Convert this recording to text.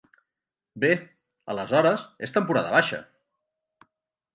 Bé, aleshores és temporada baixa.